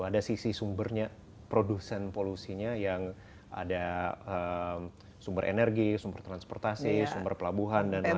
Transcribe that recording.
ada sisi sumbernya produsen polusinya yang ada sumber energi sumber transportasi sumber pelabuhan dan lain lain